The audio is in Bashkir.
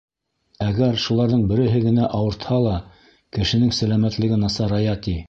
Әгәр шуларҙың береһе генә ауыртһа ла, кешенең сәләмәтлеге насарая, ти.